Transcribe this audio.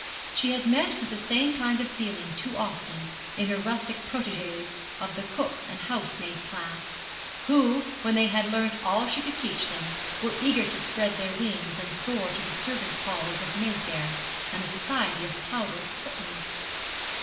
She had met with the same kind of feeling too often in her rustic protégées of the cook and house maid class, who, when they had learnt all she could teach them, were eager to spread their wings and soar to the servants' halls of Mayfair, and the society of powdered footmen.